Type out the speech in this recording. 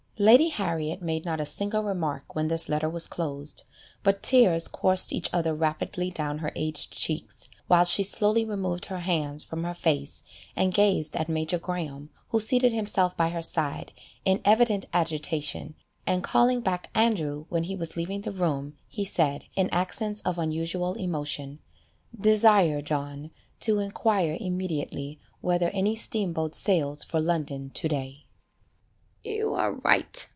Lady Harriet made not a single remark when this letter was closed, but tears coursed each other rapidly down her aged cheeks, while she slowly removed her hands from her face, and gazed at Major Graham, who seated himself by her side, in evident agitation, and calling back Andrew when he was leaving the room, he said, in accents of unusual emotion, "Desire John to inquire immediately whether any steam boat sails for London to day." "You are right!"